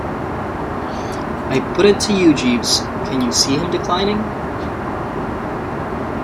I put it to you, Jeeves, can you see him declining?